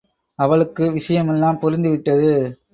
அவளுக்கு விஷயமெல்லாம் புரிந்துவிட்டது.